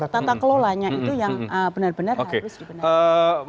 tata kelolanya itu yang benar benar harus dibenahi